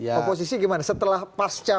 oposisi gimana setelah pascap